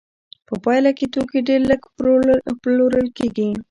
په پایله کې توکي ډېر لږ پلورل کېږي